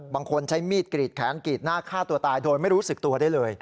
บางคนใช้มีดกรีดแขนกรีดหน้าฆ่าตัวตายโดยไม่รู้สึกตัวได้เลย